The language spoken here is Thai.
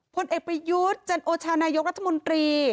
ผลเอกประยุทธ์จันโอชานายกรัฐมนตรี